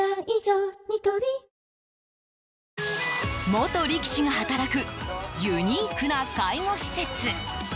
元力士が働くユニークな介護施設。